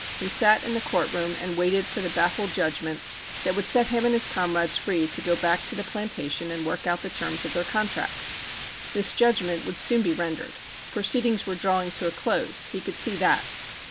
He sat in the court room and waited for the baffled judgment that would set him and his comrades free to go back to the plantation and work out the terms of their contracts. This judgment would soon be rendered. Proceedings were drawing to a close. He could see that.